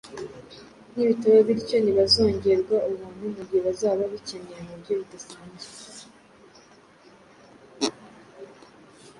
nibitaba bityo ntibazongererwa ubuntu mu gihe bazaba babukeneye mu buryo budasanzwe.